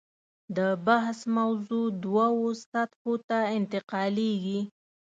د بحث موضوع دوو سطحو ته انتقالېږي.